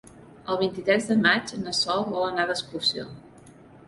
El vint-i-tres de maig na Sol vol anar d'excursió.